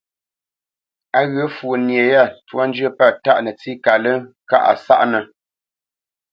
Á ghyə̂ fwo nye yâ ntwá njyə́ pə̂ tâʼ nətsí kalə́ŋ kâʼ a sáʼnə̄.